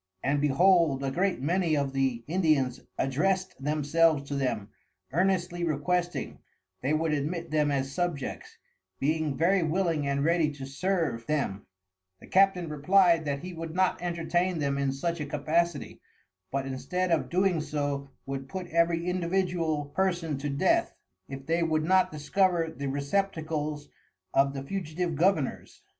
And behold a great many of the Indians addrest themselves to them, earnestly requesting, they would admit them as Subjects, being very willing and ready to serve them: The Captain replyed that he would not entertain them in such a Capacity, but instead of so doing would put every individual Person to Death, if they would not discover the Receptacles of the Fugitive Governours.